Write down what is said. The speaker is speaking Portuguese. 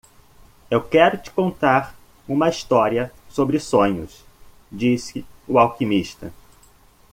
"Eu quero te contar uma história sobre sonhos?", disse o alquimista.